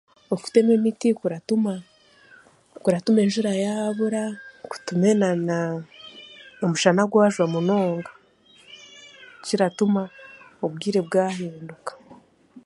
Okutema emiti kuratuma kuratuma enjura yaabura na omushana gwajwa munonga ekiratume obwire bwahinduka